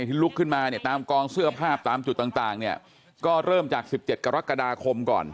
ลุกขึ้นมาเนี่ยตามกองเสื้อผ้าตามจุดต่างเนี่ยก็เริ่มจาก๑๗กรกฎาคมก่อน